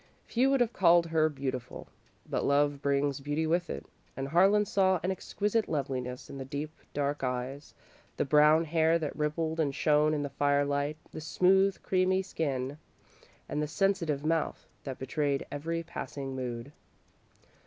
Few would have called her beautiful, but love brings beauty with it, and Harlan saw an exquisite loveliness in the deep, dark eyes, the brown hair that rippled and shone in the firelight, the smooth, creamy skin, and the sensitive mouth that betrayed every passing mood.